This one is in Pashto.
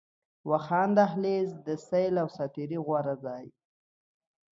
واخان دهلېز، د سيل او ساعتري غوره ځای